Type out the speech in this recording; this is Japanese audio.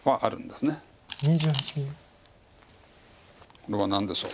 これは何でしょう。